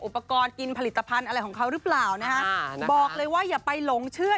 อุปกรณ์กินผลิตภัณฑ์อะไรของเขาหรือเปล่านะฮะบอกเลยว่าอย่าไปหลงเชื่อ